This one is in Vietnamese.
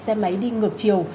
xe máy đi ngược chiều